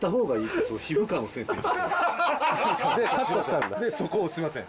でそこをすみません。